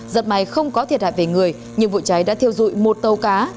dập may không có thiệt hại về người nhưng vụ cháy đã thiêu dụi một tàu cá